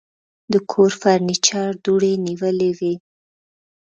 د کور فرنيچر دوړې نیولې وې.